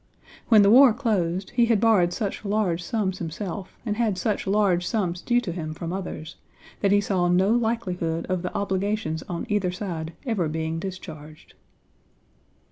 When the war closed, he had borrowed such large sums himself and had such large sums due to him from others, that he saw no likelihood of the obligations on either side ever being discharged.